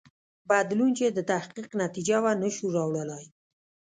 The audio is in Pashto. بدلون چې د تحقیق نتیجه وه نه شو راوړلای.